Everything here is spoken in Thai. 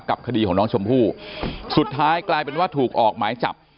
คดีของน้องชมพู่สุดท้ายกลายเป็นว่าถูกออกหมายจับ